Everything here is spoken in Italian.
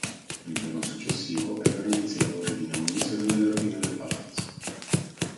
Il giorno successivo ebbero inizio i lavori di demolizione delle rovine del palazzo.